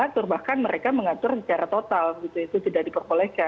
dua tahun penjara sorry